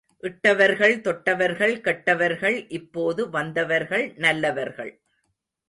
இட்டவர்கள் தொட்டவர்கள் கெட்டவர்கள் இப்போது வந்தவர்கள் நல்லவர்கள்.